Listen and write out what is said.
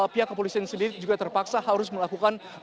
pihak kepolisian sendiri juga terpaksa harus melakukan